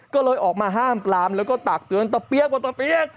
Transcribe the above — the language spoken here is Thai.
ก็เลยออกมาห้ามปลามแล้วก็ตักเตือนตะเปี๊ยกว่าตะเปี๊ยก